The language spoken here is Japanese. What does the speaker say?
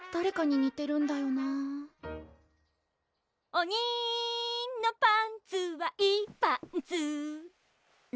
「おにのパンツはいいパンツ」